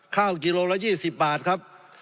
ข้าวกิโลละยี่สิบบาทครับ